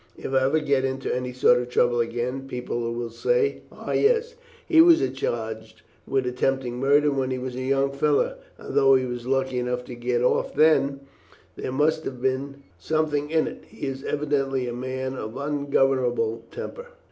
If I ever get into any sort of trouble again, people will say: 'Ah, yes; he was charged with attempting murder when he was a young fellow, and although he was lucky enough to get off then, there must have been something in it. He is evidently a man of ungovernable temper.'"